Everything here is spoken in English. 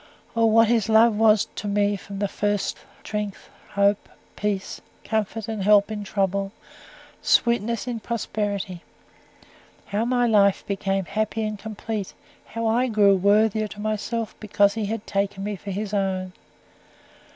Oh, what his love was to me from the first! strength, hope, peace; comfort and help in trouble, sweetness in prosperity. How my life became happy and complete how I grew worthier to myself because he had taken me for his own!